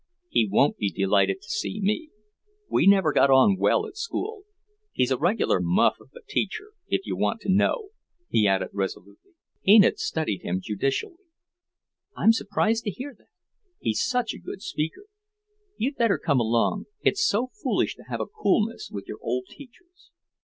"He won't be delighted to see me. We never got on well at school. He's a regular muff of a teacher, if you want to know," he added resolutely. Enid studied him judicially. "I'm surprised to hear that; he's such a good speaker. You'd better come along. It's so foolish to have a coolness with your old teachers."